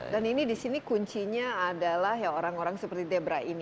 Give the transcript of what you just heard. dan ini di sini kuncinya adalah orang orang seperti debra ini